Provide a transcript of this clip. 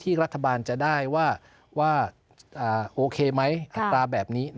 รัฐบาลจะได้ว่าโอเคไหมอัตราแบบนี้